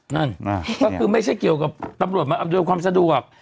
นั่นก็คือไม่ใช่เกี่ยวกับตำรวจมาอำนวยความสะดวก